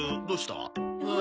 どうした？